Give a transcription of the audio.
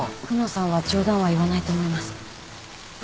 久能さんは冗談は言わないと思います。